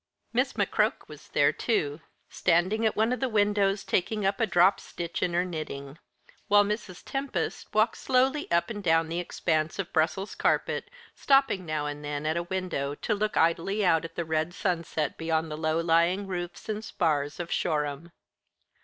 Miss McCroke was there too, standing at one of the windows taking up a dropped stitch in her knitting, while Mrs. Tempest walked slowly up and down the expanse of Brussels carpet, stopping now and then at a window to look idly out at the red sunset beyond the low lying roofs and spars of Shoreham.